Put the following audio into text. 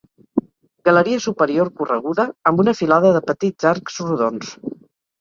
Galeria superior correguda, amb una filada de petits arcs rodons.